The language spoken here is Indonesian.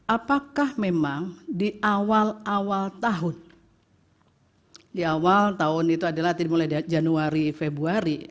apakah memang di awal awal tahun di awal tahun itu adalah mulai dari januari februari